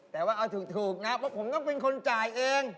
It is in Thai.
แต่ว่าเอาถูกนะเพราะผมต้องเป็นคนจ่ายเอง